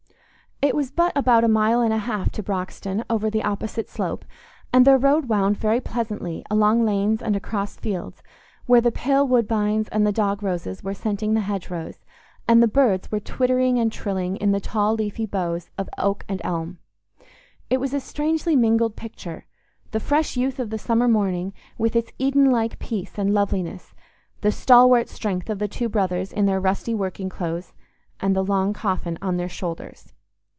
It was but about a mile and a half to Broxton over the opposite slope, and their road wound very pleasantly along lanes and across fields, where the pale woodbines and the dog roses were scenting the hedgerows, and the birds were twittering and trilling in the tall leafy boughs of oak and elm. It was a strangely mingled picture—the fresh youth of the summer morning, with its Edenlike peace and loveliness, the stalwart strength of the two brothers in their rusty working clothes, and the long coffin on their shoulders.